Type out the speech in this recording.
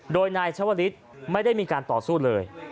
โดยนายชวลิศไม่ได้มีการต่อสู้เลย